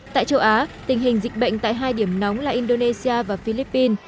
tại châu á tình hình dịch bệnh tại hai điểm nóng là indonesia và philippines